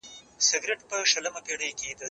زه پرون کتابتوننۍ سره وم